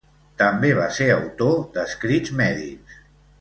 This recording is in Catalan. També va ser autor d'escrits mèdics.